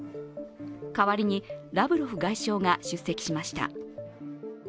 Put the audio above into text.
代わりに、ラブロフ外相が出席しました。